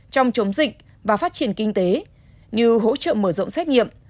trong chống dịch và phát triển kinh tế như hỗ trợ mở rộng xét nghiệm